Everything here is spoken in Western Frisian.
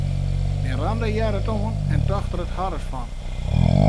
Miranda hearde it oan en tocht der harres fan.